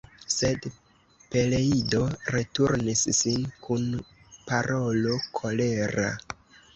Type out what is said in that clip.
Sed Peleido returnis sin kun parolo kolera.